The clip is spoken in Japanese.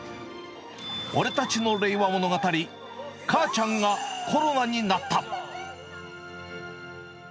俺たちの令和物語、母ちゃんがコロナになった。